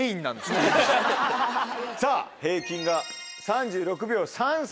さぁ平均が３６秒３３。